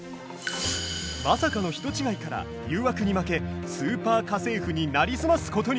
まさかの人違いから誘惑に負け「スーパー家政婦」になりすますことに。